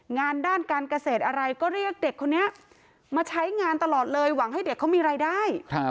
งานด้านการเกษตรอะไรก็เรียกเด็กคนนี้มาใช้งานตลอดเลยหวังให้เด็กเขามีรายได้